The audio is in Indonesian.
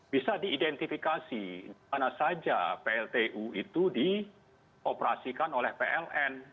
bisa diidentifikasi dimana saja pltu itu dioperasikan oleh pln